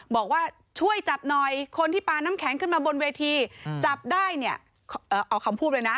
บอกว่าช่วยจับหน่อยคนที่ปลาน้ำแข็งขึ้นมาบนเวทีจับได้เนี่ยเอาคำพูดเลยนะ